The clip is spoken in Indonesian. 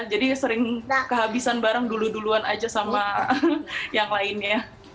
jadi sering kehabisan barang dulu duluan aja sama yang lainnya